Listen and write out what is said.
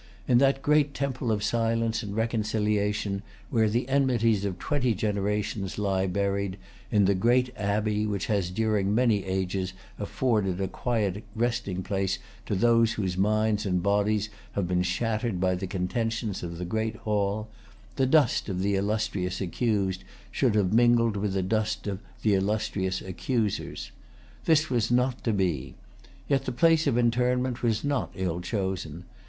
In that temple of silence and reconciliation where the enmities of twenty generations lie buried, in the Great Abbey which has during many ages afforded a quiet resting place to those whose minds and bodies have been shattered by the contentions of the Great Hall, the dust of the illustrious accused should have mingled with the dust of the illustrious accusers. This was not to be. Yet the place of interment was not ill chosen.